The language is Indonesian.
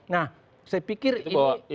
nah saya pikir ini